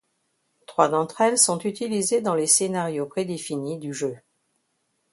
Trois d’entre-elles sont utilisées dans les scénarios prédéfinis du jeu.